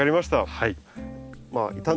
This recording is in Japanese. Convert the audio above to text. はい。